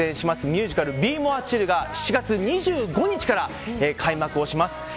ミュージカル「ビー・モア・チル」が７月２５日から開幕をします。